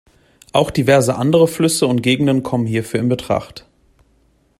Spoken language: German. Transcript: Auch diverse andere Flüsse und Gegenden kommen hierfür in Betracht.